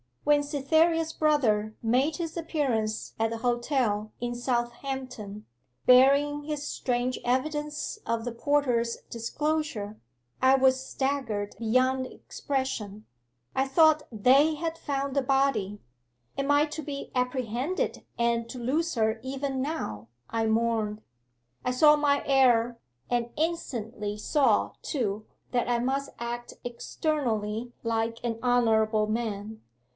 'When Cytherea's brother made his appearance at the hotel in Southampton, bearing his strange evidence of the porter's disclosure, I was staggered beyond expression. I thought they had found the body. "Am I to be apprehended and to lose her even now?" I mourned. I saw my error, and instantly saw, too, that I must act externally like an honourable man.